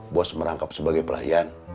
bos merangkap sebagai pelayan